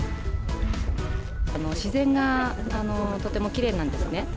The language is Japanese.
自然がとてもきれいなんですね。